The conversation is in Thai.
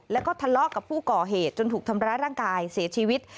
แล้วก็ทะเลาะกับผู้ก่อเหตุจนถูกทำร้ายร่างกายเสียชีวิต